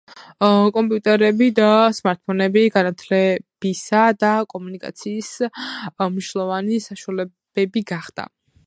კომპიუტერები და სმარტფონები განათლებისა და კომუნიკაციის მნიშვნელოვანი საშუალებები გახდა.